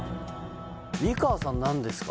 美川さん何ですか？